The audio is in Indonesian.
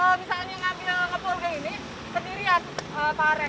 kalau misalnya ngambil ngepul begini sendiri pak arek